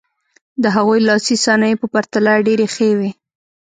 د هغوی لاسي صنایع په پرتله ډېرې ښې وې.